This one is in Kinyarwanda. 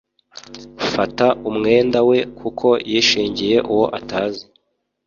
fata umwenda we kuko yishingiye uwo atazi